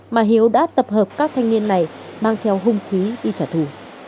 mà hiếu đã tập hợp các thanh niên này mang theo hung khí đi trả thù